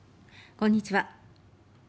こんにちは。